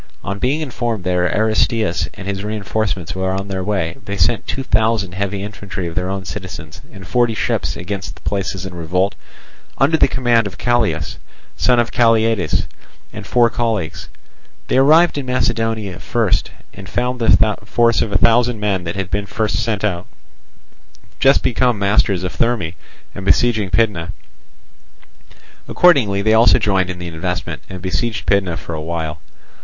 On being informed that Aristeus and his reinforcements were on their way, they sent two thousand heavy infantry of their own citizens and forty ships against the places in revolt, under the command of Callias, son of Calliades, and four colleagues. They arrived in Macedonia first, and found the force of a thousand men that had been first sent out, just become masters of Therme and besieging Pydna. Accordingly they also joined in the investment, and besieged Pydna for a while.